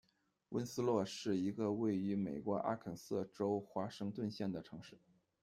温斯洛是一个位于美国阿肯色州华盛顿县的城市。